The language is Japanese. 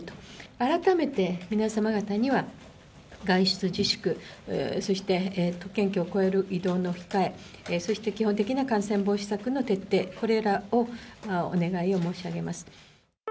改めて、皆様方には外出自粛、そして都県境を越える移動の控え、そして基本的な感染防止策の徹底、これらをお願いを申し上げます。